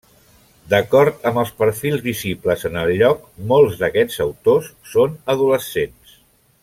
D'acord amb els perfils visibles en el lloc, molts d'aquests autors són adolescents.